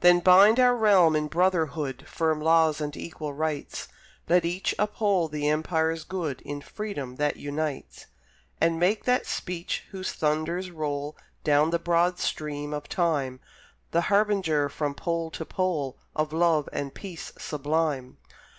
Then bind our realm in brotherhood, Firm laws and equal rights, Let each uphold the Empire's good In freedom that unites; And make that speech whose thunders roll Down the broad stream of time The harbinger from pole to pole Of love and peace sublime.